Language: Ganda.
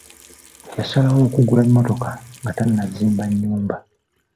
Yasalawo okugula emmotoka nga tannazimba nnyumba.